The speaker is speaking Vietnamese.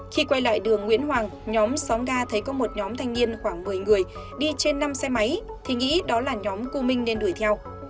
khi quay lại đường nguyễn hoàng nhóm xóm ga thấy có một nhóm thanh niên khoảng một mươi người đi trên năm xe máy thì nghĩ đó là nhóm cô minh nên đuổi theo